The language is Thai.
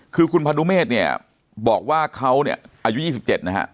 คือคุณพนุเมฆเนี่ยบอกว่าเขาเนี่ยอายุ๒๗นะฮะ